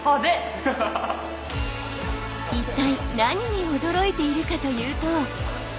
一体何に驚いているかというと。